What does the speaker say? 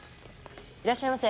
いらっしゃいませ。